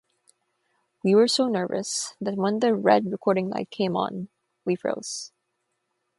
We were so nervous that when the red recording light came on we froze.